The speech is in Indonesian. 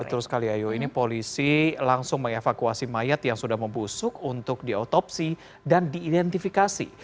betul sekali ayo ini polisi langsung mengevakuasi mayat yang sudah membusuk untuk diotopsi dan diidentifikasi